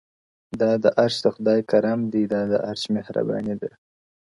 دا د عرش د خدای کرم دی؛ دا د عرش مهرباني ده؛